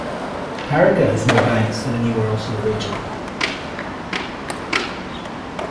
Parika has more banks than anywhere else in the region.